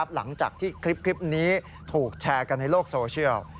หลังจากที่คลิปนี้ถูกแชร์กันในโลกโซเชียล